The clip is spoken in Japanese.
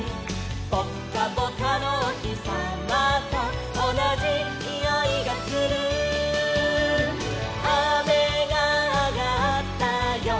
「ぽっかぽかのおひさまとおなじにおいがする」「あめがあがったよ」